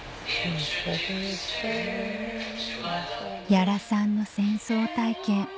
屋良さんの戦争体験